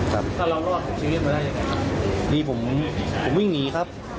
ถ้าเรารอดชีวิตมาได้อย่างไรครับ